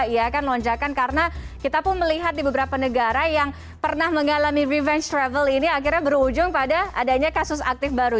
ya kan lonjakan karena kita pun melihat di beberapa negara yang pernah mengalami revenge travel ini akhirnya berujung pada adanya kasus aktif baru